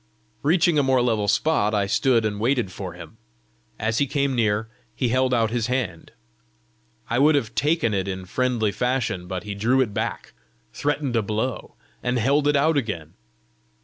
Reaching a more level spot, I stood and waited for him. As he came near, he held out his hand. I would have taken it in friendly fashion, but he drew it back, threatened a blow, and held it out again.